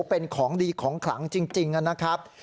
เป็นของดีของขลังจริงนะครับ